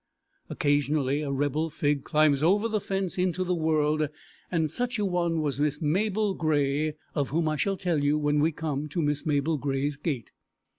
Occasionally a rebel Fig climbs over the fence into the world, and such a one was Miss Mabel Grey, of whom I shall tell you when we come to Miss Mabel Grey's gate.